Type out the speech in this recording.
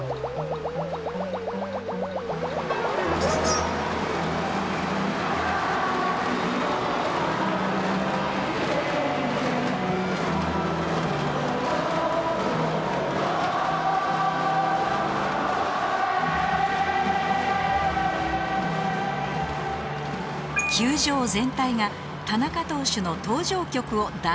球場全体が田中投手の登場曲を大合唱